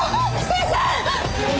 先生！